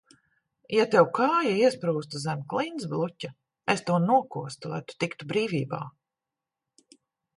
Ja tev kāja iesprūstu zem klintsbluķa, es to nokostu, lai tu tiktu brīvībā.